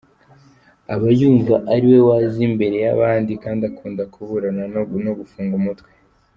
Aba yumva ari we waza imbere y’abandi kandi akunda kuburana no gufunga umutwe.